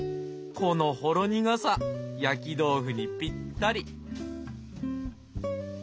このほろ苦さ焼き豆腐にぴったり！